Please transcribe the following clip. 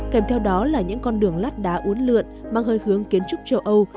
kèm theo đó là những con đường lát đá uốn lượn mang hơi hướng kiến trúc châu âu